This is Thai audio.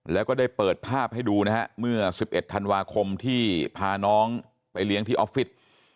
แล้วก็ได้เปิดภาพให้ดูนะฮะเมื่อ๑๑ธันวาคมที่พาน้องไปเลี้ยงที่ออฟฟิศ